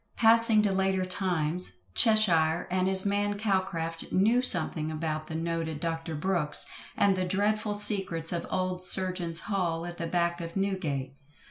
Passing to later times, CHESHIRE and his man Calcraft knew something about the noted Dr. Brooks and the dreadful secrets of old surgeon's hall at the back of Newgate.